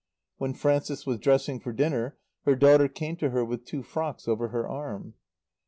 When Frances was dressing for dinner her daughter came to her with two frocks over her arm.